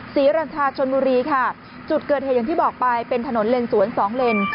ศรีรัญชาชนบุรีค่ะจุดเกิดเหตุอย่างที่บอกไปเป็นถนนเลนสวนสองเลน